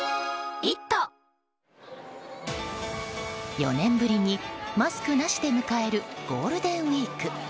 ４年ぶりにマスクなしで迎えるゴールデンウィーク。